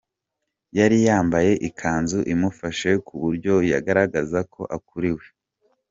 Yari yambaye ikanzu imufashe ku buryo yagaragaza ko akuriwe.